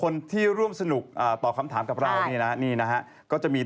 มีอะไรต่ออะไรนี่